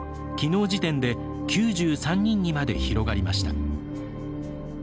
きのう時点で９３人にまで広がりました。